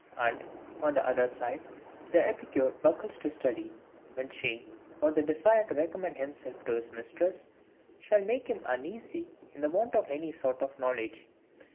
And, on the other side, the epicure buckles to study, when shame, or the desire to recommend himself to his mistress, shall make him uneasy in the want of any sort of knowledge.